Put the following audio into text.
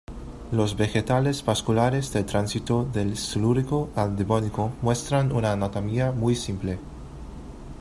Los vegetales vasculares del tránsito del Silúrico al Devónico muestran una anatomía muy simple.